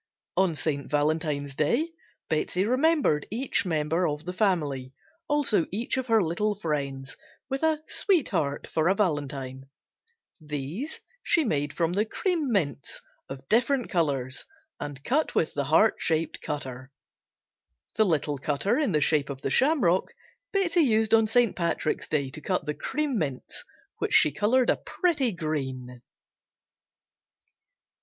On St. Valentine's Day Betsey remembered each member of the family, also each of her little friends, with a "sweetheart" for a Valentine. These she made from the "Cream Mints" of different colors and cut with the heart shaped cutter. The little cutter in the shape of the shamrock Betsey used on St. Patrick's Day to cut the "Cream Mints," which she colored a pretty green.